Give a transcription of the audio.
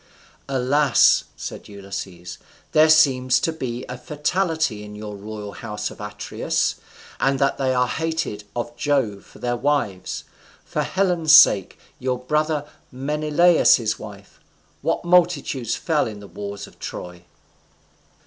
"Alas!" said Ulysses, "there seems to be a fatality in your royal house of Atreus, and that they are hated of Jove for their wives. For Helen's sake, your brother Menelaus's wife, what multitudes fell in the wars of Troy!"